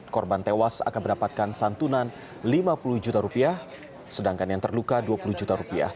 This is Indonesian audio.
korban tewas akan mendapatkan santunan rp lima puluh juta rupiah sedangkan yang terluka rp dua puluh juta